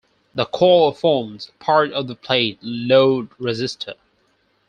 The coil formed part of the plate load resistor.